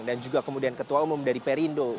dan juga kemudian ketua umum dari perindo